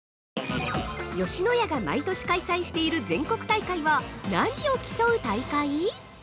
◆吉野家が毎年開催している全国大会は何を競う大会？